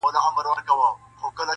هري خواته چي مو مخ به سو خپل کور وو.!